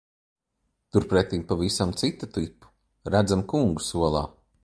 Turpretim pavisam citu tipu redzam kungu solā.